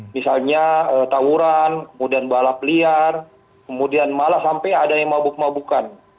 misalnya tawuran kemudian balap liar kemudian malah sampai ada yang mabuk mabukan